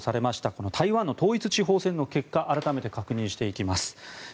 この台湾の統一地方選の結果を改めて確認していきます。